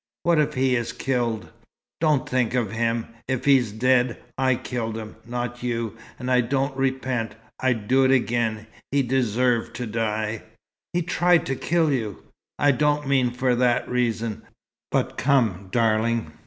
What if he is killed?" "Don't think of him. If he's dead, I killed him, not you, and I don't repent. I'd do it again. He deserved to die." "He tried to kill you!" "I don't mean for that reason. But come, darling.